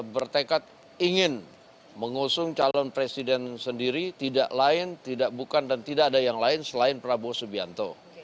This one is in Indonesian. bertekad ingin mengusung calon presiden sendiri tidak lain tidak bukan dan tidak ada yang lain selain prabowo subianto